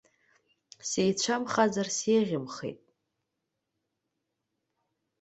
Сеицәамхазар сеиӷьымхеит.